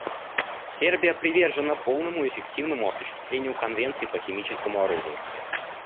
Сербия привержена полному и эффективному осуществлению Конвенции по химическому оружию.